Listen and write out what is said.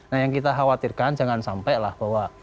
nah yang kita khawatirkan jangan sampai lah bahwa